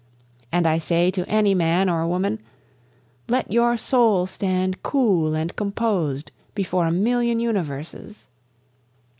And I say to any man or woman, "Let your soul stand cool and composed before a million universes."